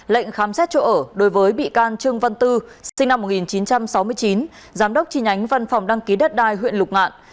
lệnh khám xét chỗ ở đối với bị can trương văn tư sinh năm một nghìn chín trăm sáu mươi chín giám đốc tri nhánh văn phòng đăng ký đất đai huyện lục ngạn